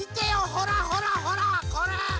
ほらほらほらこれ！